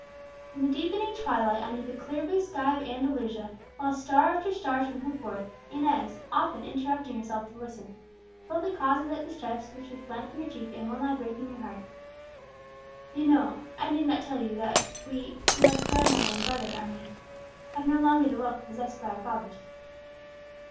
In the deepening twilight, under the clear blue sky of Andalusia, while star after star twinkled forth, Inez, often interrupting herself to listen, told the cause of that distress which was blanching her cheek and well nigh breaking her heart. "You know I need not tell you that we my grandmother and brother, I mean have no longer the wealth possessed by our fathers."